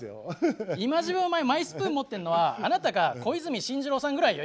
今時分お前マイスプーン持ってんのはあなたか小泉進次郎さんぐらいよ